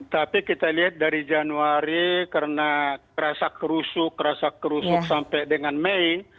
tapi kita lihat dari januari karena kerasa kerusuk rasa kerusuk sampai dengan mei